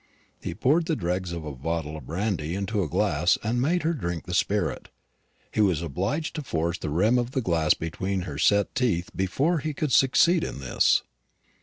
He poured the dregs of a bottle of brandy into a glass, and made her drink the spirit. He was obliged to force the rim of the glass between her set teeth before he could succeed in this.